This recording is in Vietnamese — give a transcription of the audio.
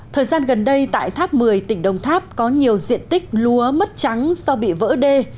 thời gian gần đây tại tháp một mươi tỉnh đồng tháp có nhiều diện tích lúa mất trắng do bị vỡ đê